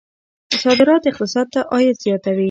صادرات اقتصاد ته عاید زیاتوي.